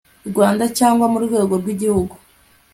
Rwanda cyangwa mu rwego rw Igihugu